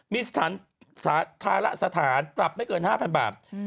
มีสถานธาระสถานปรับไม่เกิน๕๐๐บาท